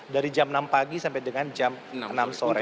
dari jam enam pagi sampai dengan jam enam sore